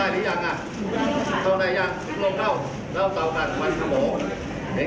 ด้วยเหตุโรยีเงิน